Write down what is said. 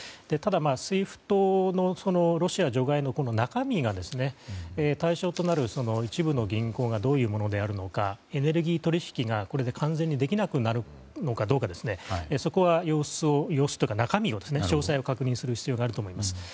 ただＳＷＩＦＴのロシア除外の中身が対象となる一部の銀行がどういうものであるのかエネルギー取引が、これで完全にできなくなるのかどうかそこは詳細を確認する必要があると思います。